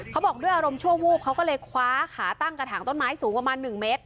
เขาบอกด้วยอารมณ์ชั่ววูบเขาก็เลยคว้าขาตั้งกระถางต้นไม้สูงประมาณ๑เมตร